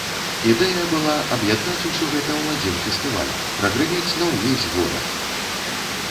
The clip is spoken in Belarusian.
Ідэя была аб'яднаць усё гэта ў адзін фестываль, прагрымець на ўвесь горад.